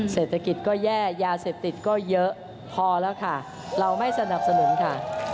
เศรษฐกิจก็แย่ยาเสพติดก็เยอะพอแล้วค่ะเราไม่สนับสนุนค่ะ